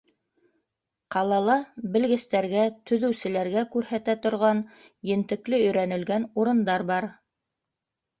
Ҡалала белгестәргә, төҙөүселәргә күрһәтә торған ентекле өйрәнелгән урындар бар.